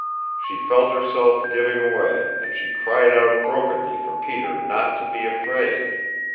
She felt herself giving away, and she cried out brokenly for Peter not to be afraid.